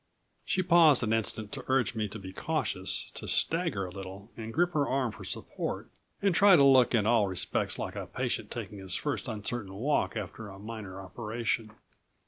She paused an instant to urge me to be cautious, to stagger a little and grip her arm for support and try to look in all respects like a patient taking his first uncertain walk after a minor operation.